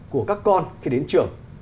của các con khi đến trường